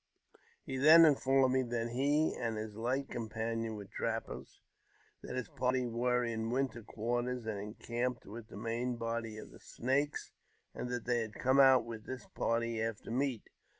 He then informed me that he and his late companion were trappers ; that his party were in winter quarters, and encamped with the main body of the Snakes ; and that they had come out with this party after meat.